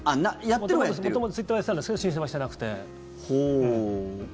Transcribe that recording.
元々、ツイッターはやってたんですけど申請はしてなくて。